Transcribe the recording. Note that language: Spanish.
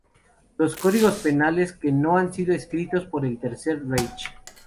Los Códigos Penales que no han sido escritos por el Tercer Reich